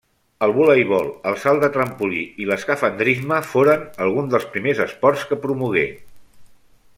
El voleibol, el salt de trampolí i l'escafandrisme foren alguns dels primers esports que promogué.